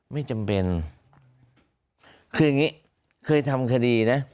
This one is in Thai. ไม่จำเป็นคืออย่างนี้เคยทำคดีนะ